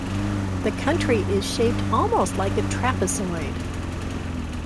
The county is shaped almost like a trapezoid.